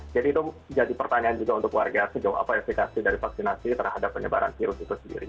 jadi itu jadi pertanyaan juga untuk warga sejauh apa efek dari vaksinasi terhadap penyebaran virus itu sendiri